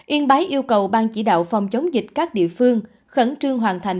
yên bái yêu cầu ban chỉ đạo phòng chống dịch các địa phương khẩn trương hoàn thành